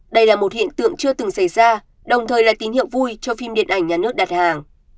đây là một hiện tượng chưa từng xảy ra đồng thời là tín hiệu vui cho phim điện ảnh nhà nước đặt hàng